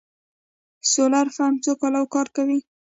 د سولر پمپ څو کاله کار کوي؟